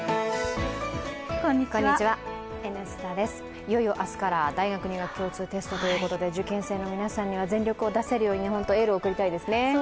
いよいよ明日から大学入試共通テストということで、受験生の皆さんには全力出せるようにエールを贈りたいですね。